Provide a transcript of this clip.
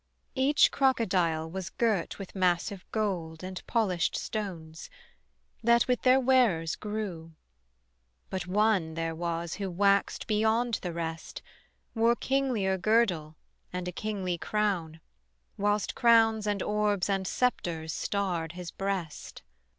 Each crocodile was girt with massive gold And polished stones, that with their wearers grew: But one there was who waxed beyond the rest, Wore kinglier girdle and a kingly crown, Whilst crowns and orbs and sceptres starred his breast.